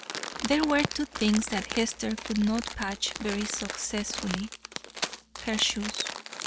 There were two things that Hester could not patch very successfully her shoes.